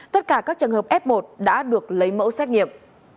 tất cả các trường hợp f một đã được lấy mẫu xét nghiệm